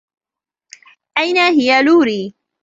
أين هي لوري؟